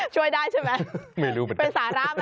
ช่วยได้ใช่ไหมเป็นสาระไหม